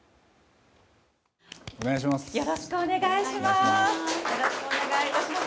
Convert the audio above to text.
お願いします。